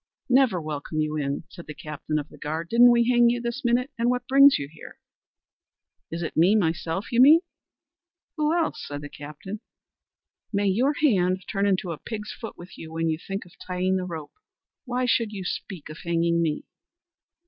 "Never welcome you in," cried the captain of the guard, "didn't we hang you this minute, and what brings you here?" "Is it me myself, you mean?" "Who else?" said the captain. "May your hand turn into a pig's foot with you when you think of tying the rope; why should you speak of hanging me?"